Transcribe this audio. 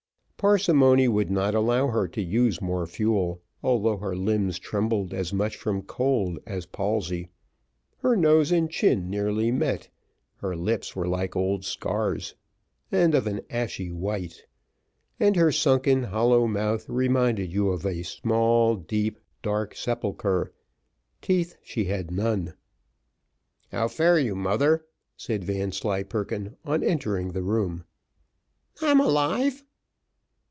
Parsimony would not allow her to use more fuel, although her limbs trembled as much from cold as palsy; her nose and chin nearly met; her lips were like old scars, and of an ashy white; and her sunken hollow mouth reminded you of a small, deep, dark sepulchre; teeth she had none. "How fare you, mother?" said Vanslyperken on entering the room. "I'm alive."